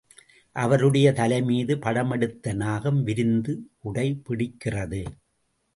அவருடைய தலைமீது படமெடுத்த நாகம் விரிந்து குடை பிடிக்கிறது.